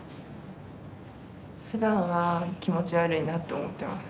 ふだんは気持ち悪いなと思ってます。